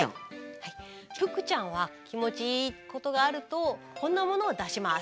腹ちゃんは気持ちいいことがあるとこんなものを出します。